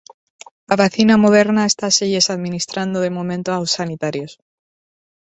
A vacina Moderna estáselles administrando de momento aos sanitarios.